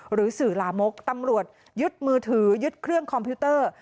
หรือสื่อลามกตำรวจยึดมือถือยึดเครื่องคอมพิวเตอร์